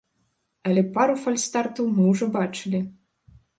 Але пару фальстартаў мы ўжо бачылі.